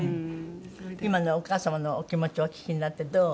今のお母様のお気持ちをお聞きになってどう？